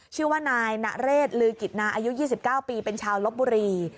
ชื่อว่านายนเรศลือกิจนาอายุ๒๙ปีเป็นชาวลบบุรี